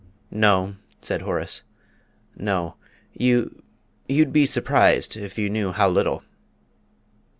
"No," said Horace, "no. You you'd be surprised if you knew how little."